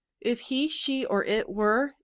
If he, she, or it were, t